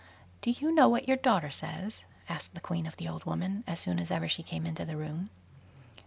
"Do you know what your daughter says?" asked the Queen of the old woman, as soon as ever she came into the room.